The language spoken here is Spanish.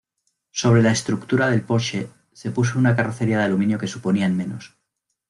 Sobre la estructura del Porsche, se puso una carrocería de aluminio que suponían menos.